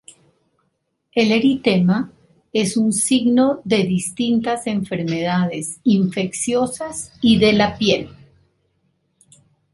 El eritema es un signo de distintas enfermedades infecciosas y de la piel.